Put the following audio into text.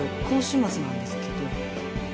今週末なんですけど。